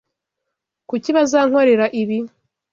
Kuki bazankorera ibi?